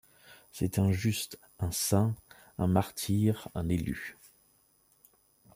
C’est un juste, un saint, un martyr, un élu.